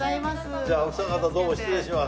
じゃあ奥さん方どうも失礼します。